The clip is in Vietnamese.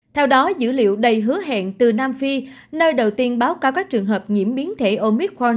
theo đó dữ liệu đầy hứa hẹn từ nam phi nơi đầu tiên báo cáo các trường hợp nhiễm biến thể omic khoan